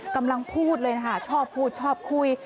กำลังพูดเลยนะคะชอบพูดชอบคุย